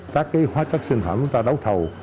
các hóa chất sinh phẩm chúng ta đấu thầu